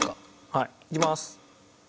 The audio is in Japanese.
はいいきます。